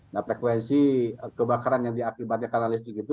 nah frekuensi kebakaran yang diakibatkan karena listrik itu